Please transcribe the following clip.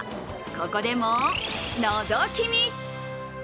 ここでものぞき見。